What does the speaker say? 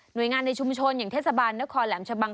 โดยงานในชุมชนอย่างเทศบาลนครแหลมชะบัง